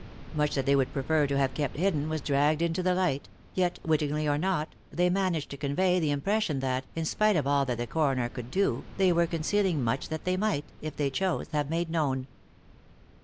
Much that they would prefer to have kept hidden was dragged into the light, yet, wittingly or not, they managed to convey the im pression that, in spite of all that the coroner could do, they were concealing much that they might, if they chose, have made known.